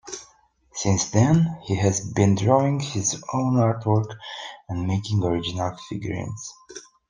Since then, he has been drawing his own artwork and making original figurines.